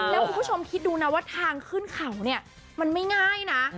แล้วคุณผู้ชมคิดดูนะว่าทางขึ้นเขาเนี่ยมันไม่ง่ายนะ